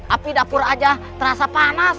api dapur aja terasa panas